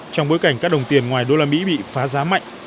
trong bối cảnh các đồng tiền ngoài đô la mỹ bị phá giá mạnh